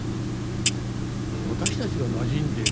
私たちがなじんでいる